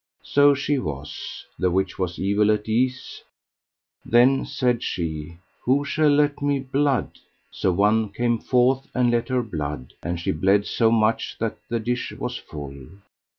So she was, the which was evil at ease. Then said she: Who shall let me blood? So one came forth and let her blood, and she bled so much that the dish was full.